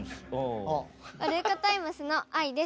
ワルイコタイムスのあいです。